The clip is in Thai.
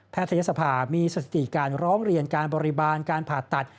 ทยศภามีสติการร้องเรียนการบริบาลการผ่าตัด